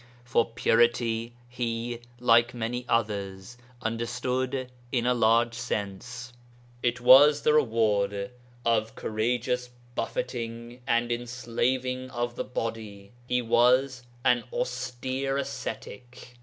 For purity he (like many others) understood in a large sense. It was the reward of courageous 'buffeting' and enslaving of the body; he was an austere ascetic.